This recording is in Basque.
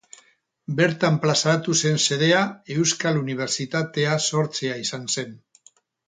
Bertan plazaratu zen xedea Euskal Unibertsitatea sortzea izan zen.